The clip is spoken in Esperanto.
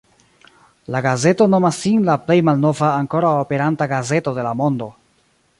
La gazeto nomas sin la plej malnova ankoraŭ aperanta gazeto de la mondo.